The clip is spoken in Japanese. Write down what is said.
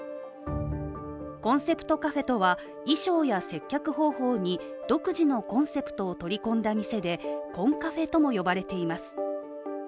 コンセプトカフェとは、衣装や接客方法に独自のコンセプトを取り込んだ店でコンカフェとも呼ばれています。